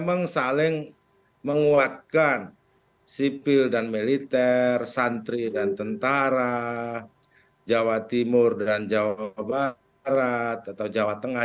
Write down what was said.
memang saling menguatkan sipil dan militer santri dan tentara jawa timur dan jawa barat atau jawa tengah